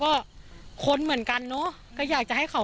ก็กลายเป็นว่าติดต่อพี่น้องคู่นี้ไม่ได้เลยค่ะ